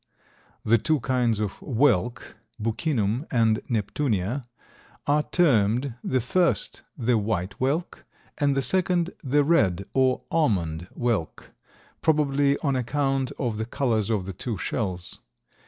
The two kinds of whelk (Buccinum and Neptunea), are termed, the first the white whelk and the second the red or almond whelk, probably on account of the colors of the two shells.